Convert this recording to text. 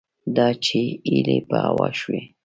دا چې هیلې په هوا شوې